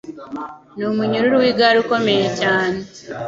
Ni umunyururu w’igare ukomeye cyane